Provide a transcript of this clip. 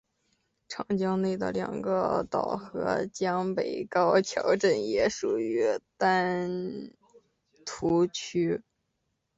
长江内的两个岛和江北的高桥镇也属于丹徒区。